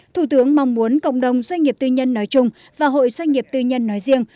thủ tướng mong muốn cộng đồng doanh nghiệp tư nhân nói chung và hội doanh nghiệp tư nhân nói riêng